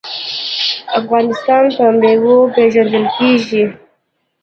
افغانستان په میوو پیژندل کیږي.